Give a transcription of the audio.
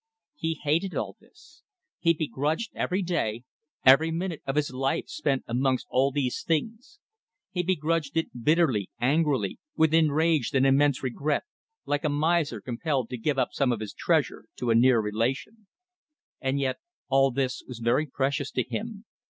He hated all this; he begrudged every day every minute of his life spent amongst all these things; he begrudged it bitterly, angrily, with enraged and immense regret, like a miser compelled to give up some of his treasure to a near relation. And yet all this was very precious to him.